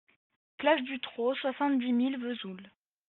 Place du Trau, soixante-dix mille Vesoul